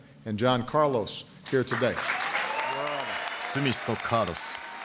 スミスとカーロス。